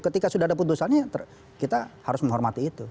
ketika sudah ada putusannya kita harus menghormati itu